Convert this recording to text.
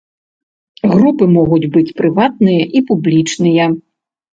Групы могуць быць прыватныя і публічныя.